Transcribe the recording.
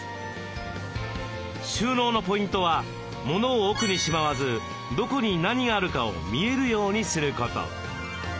収納のポイントはモノを奥にしまわずどこに何があるかを見えるようにすること。